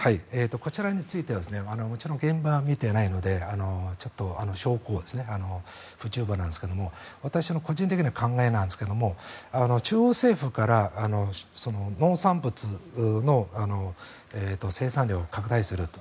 こちらについてはもちろん現場は見ていないのでちょっと証拠不十分なんですが私の個人的な考えなんですが中央政府から農産物の生産量を拡大すると。